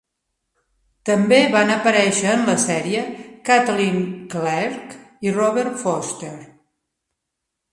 També van aparèixer en la sèrie Caitlin Clarke i Robert Forster.